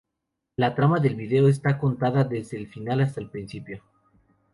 La trama del vídeo está contada desde el final hasta el principio.